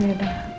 ya gak juga sih